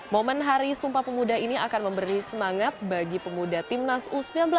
momen hari sumpah pemuda ini akan memberi semangat bagi pemuda timnas u sembilan belas